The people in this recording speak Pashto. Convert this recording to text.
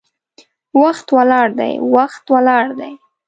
وخت ولاړ دی، وخت ولاړ دی